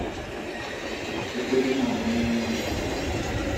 gukora inama n’ibindi